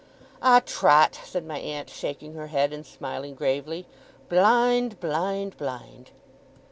'Ah, Trot!' said my aunt, shaking her head, and smiling gravely; 'blind, blind, blind!